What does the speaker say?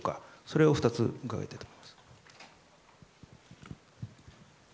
この２つを伺いたいと思います。